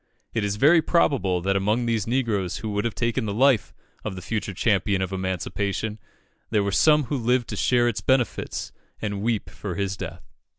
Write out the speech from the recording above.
It is very probable that among these negroes who would have taken the life of the future champion of emancipation, there were some who lived to share its benefits and weep for his death.